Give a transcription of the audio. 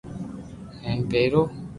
ھون پيرو